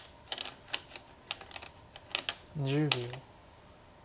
１０秒。